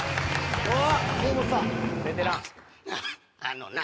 あのな。